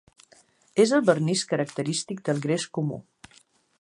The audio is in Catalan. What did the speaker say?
És el vernís característic del gres comú.